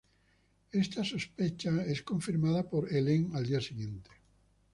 Esta sospecha es confirmada por Helene el día siguiente.